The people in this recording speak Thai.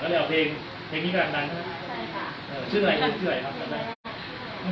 ก็เลยเอาเพียงนี้กำลังดัง